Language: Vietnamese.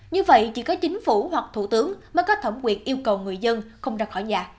như vậy chỉ có chính phủ hoặc thủ tướng mới có thẩm quyền yêu cầu người dân không ra khỏi nhà